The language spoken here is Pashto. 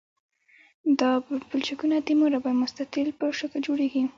دا پلچکونه د مربع یا مستطیل په شکل جوړیږي